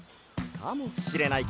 かもしれない